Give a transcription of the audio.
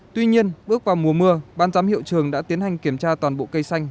tuy nhiên bước vào mùa mưa ban giám hiệu trường đã tiến hành kiểm tra toàn bộ cây xanh